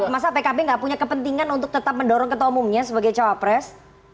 masa pkb nggak punya kepentingan untuk tetap mendorong ketua umumnya sebagai cawapres